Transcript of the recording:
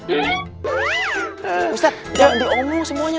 ustadz jangan diomong semuanya